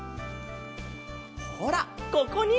ほらここに！